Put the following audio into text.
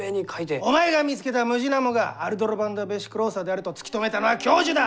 お前が見つけたムジナモがアルドロヴァンダ・ヴェシクローサであると突き止めたのは教授だ！